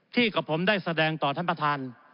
กับผมได้แสดงต่อท่านประธาน